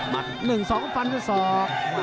๑๒ฟันที่สอบ